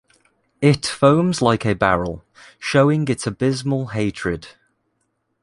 It foams like a barrel, showing its abysmal hatred.